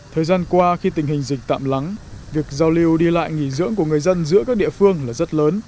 thời gian qua khi tình hình dịch tạm lắng việc giao lưu đi lại nghỉ dưỡng của người dân giữa các địa phương là rất lớn